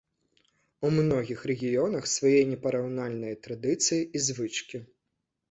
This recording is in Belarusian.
У многіх рэгіёнах свае непараўнальныя традыцыі і звычкі.